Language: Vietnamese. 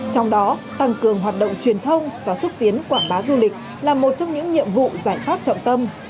trong đó tăng cường hoạt động truyền thông và xúc tiến quảng bá du lịch là một trong những nhiệm vụ giải pháp trọng tâm